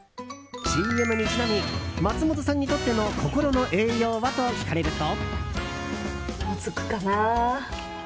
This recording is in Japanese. ＣＭにちなみ松本さんにとっての心の栄養は？と聞かれると。